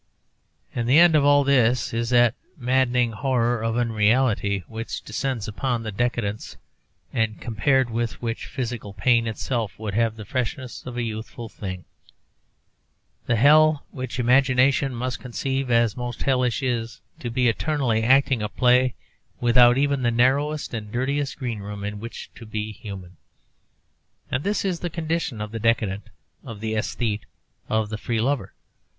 And the end of all this is that maddening horror of unreality which descends upon the decadents, and compared with which physical pain itself would have the freshness of a youthful thing. The one hell which imagination must conceive as most hellish is to be eternally acting a play without even the narrowest and dirtiest greenroom in which to be human. And this is the condition of the decadent, of the aesthete, of the free lover.